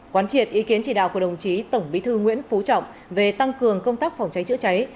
quán triệt ý kiến chỉ đạo của đồng chí tổng bí thư nguyễn phú trọng về tăng cường công tác phòng cháy chữa cháy